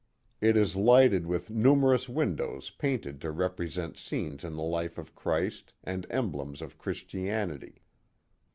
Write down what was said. It is lighted with numerous windows painted to represent scenes in the life of Christ and emblems of Christianity.